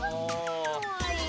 かわいい。